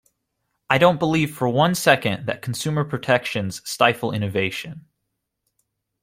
I don't believe for one second that consumer protections stifle innovation.